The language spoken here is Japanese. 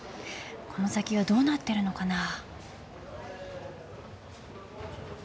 この先はどうなってるのかな？